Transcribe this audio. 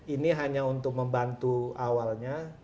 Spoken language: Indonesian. ini hanya untuk membantu awalnya